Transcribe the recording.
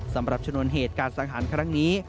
สำหรับชนวนเหตุการณ์สังหารครั้งนี้